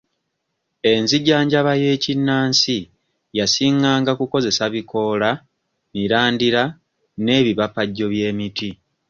Enzijanjaba y'ekinnansi yasinganga kukozesa bikoola, mirandira n'ebipapajjo by'emiti.